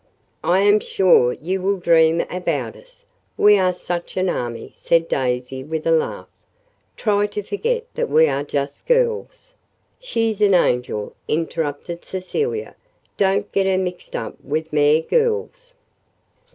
"I am sure you will dream about us we are such an army," said Daisy with a laugh. "Try to forget that we are just girls " "She's an angel," interrupted Cecilia. "Don't get her mixed up with mere girls."